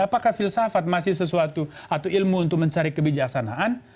apakah filsafat masih sesuatu atau ilmu untuk mencari kebijaksanaan